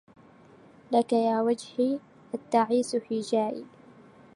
لك يا وجهي التعيس هجائي